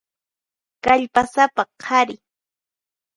Kallpasapa qhari.